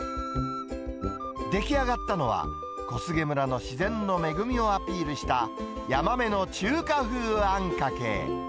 出来上がったのは、小菅村の自然の恵みをアピールしたヤマメの中華風あんかけ。